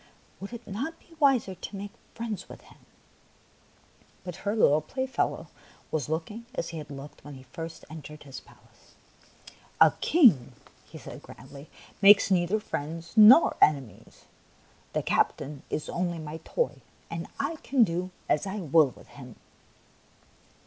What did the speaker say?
Would it not be wiser to make friends with him ?" But her little playfellow was looking as he had looked when he first entered his palace. '' A king," he said grandly, " makes neither friends nor enemies. The captain is only my toy, and I can do as I will with him."